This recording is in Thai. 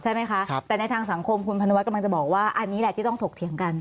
ใช่ไหมคะแต่ในทางสังคมคุณพนุวัฒน์กำลังจะบอกว่าอันนี้แหละที่ต้องถกเถียงกัน